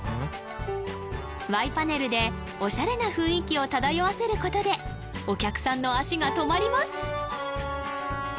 Ｙパネルでオシャレな雰囲気を漂わせることでお客さんの足が止まります